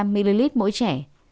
hai mươi năm ml mỗi trẻ